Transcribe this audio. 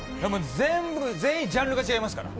全部、全員、ジャンルが違いますから。